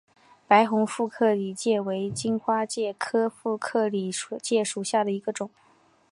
白虹副克里介为荆花介科副克里介属下的一个种。